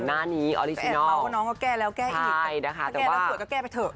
หน้านี้ออริจินัลแอดเมาส์กว่าน้องก็แก้แล้วแก้อีกถ้าแก้แล้วสวยก็แก้ไปเถอะ